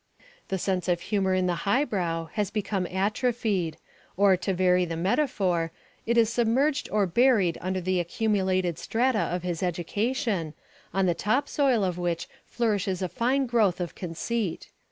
The sense of humour in the highbrow has become atrophied, or, to vary the metaphor, it is submerged or buried under the accumulated strata of his education, on the top soil of which flourishes a fine growth of conceit.